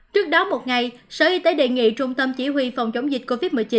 trước đó một ngày sở y tế đề nghị trung tâm chỉ huy phòng chống dịch covid một mươi chín